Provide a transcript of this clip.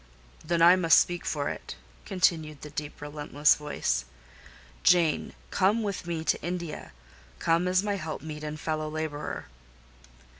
"Then I must speak for it," continued the deep, relentless voice. "Jane, come with me to India: come as my helpmeet and fellow labourer."